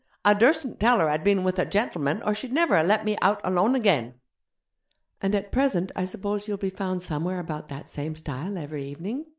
I dursn't tell her I'd been with a gentleman or she'd never have let me out alone again.' 'And at present I suppose you'll be found somewhere about that same stile every evening?'